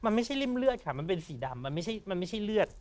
มันไม่ใช่ริ่มเลือดค่ะมันเป็นสีดำมันไม่ใช่เลือด